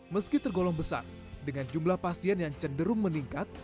meski tergolong besar dengan jumlah pasien yang cenderung meningkat